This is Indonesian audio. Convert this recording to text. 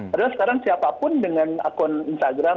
padahal sekarang siapapun dengan akun instagram